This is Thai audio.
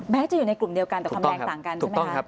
จะอยู่ในกลุ่มเดียวกันแต่ความแรงต่างกันใช่ไหมคะ